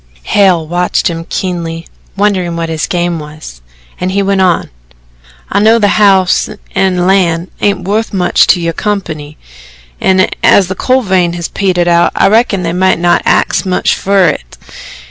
Hale watched him keenly, wondering what his game was and he went on: "I know the house an' land ain't wuth much to your company, an' as the coal vein has petered out, I reckon they might not axe much fer it."